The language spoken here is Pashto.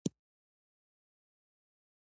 خپل د مسؤلیت په سیمه کي ګزمه کول